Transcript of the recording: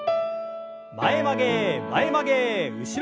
前曲げ前曲げ後ろ反り。